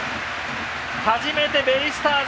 初めてベイスターズ